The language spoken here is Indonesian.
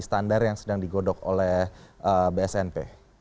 standar yang sedang digodok oleh bsnp